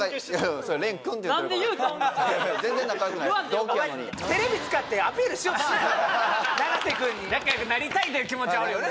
同期やのに仲良くなりたいという気持ちはあるよね